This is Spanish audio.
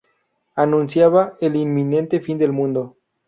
Anunciaba el inminente fin del mundo.